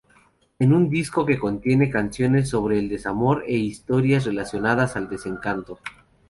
Es un disco que contiene canciones sobre el desamor e historias relacionadas al desencanto.